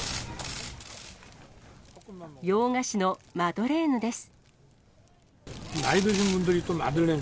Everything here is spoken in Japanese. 洋菓子のマドレーヌです。